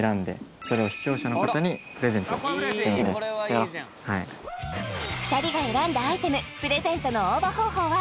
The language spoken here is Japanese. やろうはい２人が選んだアイテムプレゼントの応募方法は